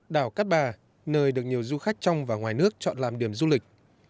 đảo cát bà nơi được nhiều du khách trong và ngoài nước chọn làm điểm du lịch